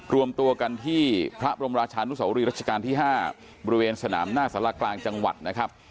รวมตัวกันที่พระบรมราชานุสวรีรัชกาลที่๕บริเวณสนามหน้าสารกลางจังหวัดนะครับ